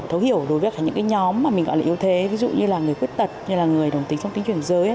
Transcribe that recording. thấu hiểu đối với những cái nhóm mà mình gọi là yếu thế ví dụ như là người quyết tật như là người đồng tính trong tính chuyển giới